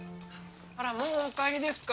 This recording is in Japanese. あらもうお帰りですか？